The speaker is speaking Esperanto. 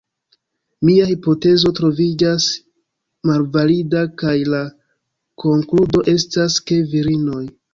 Mia hipotezo troviĝas malvalida kaj la konkludo estas ke virinoj